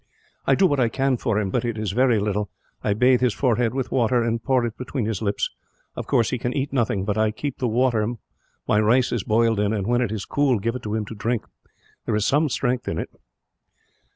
"I do what I can for him, but it is very little. I bathe his forehead with water, and pour it between his lips. Of course he can eat nothing, but I keep the water my rice is boiled in and, when it is cool, give it him to drink. There is some strength in it."